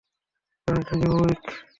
কারণ, এটা নিউইয়র্ক!